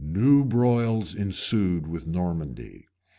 New broils ensued with Normandy.